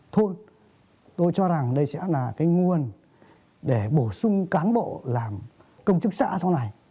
thôn tôi cho rằng đây sẽ là cái nguồn để bổ sung cán bộ làm công chức xã sau này